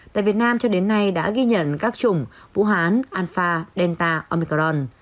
tại việt nam cho đến nay đã ghi nhận các chủng vũ hán anfa delta omicron